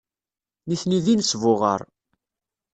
Nitni d inesbuɣar.